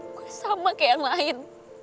gue sama kayak yang lain